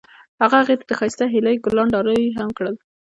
هغه هغې ته د ښایسته هیلې ګلان ډالۍ هم کړل.